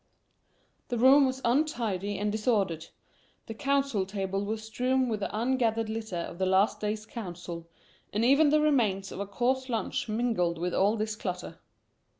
The room was untidy and disordered; the council table was strewn with the ungathered litter of the last day's council, and even the remains of a coarse lunch mingled with all this clutter.